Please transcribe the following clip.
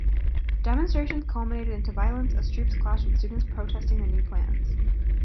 Demonstrations culminated into violence as troops clashed with students protesting the new plans.